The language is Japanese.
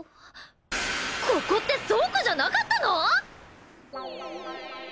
ここって倉庫じゃなかったの！？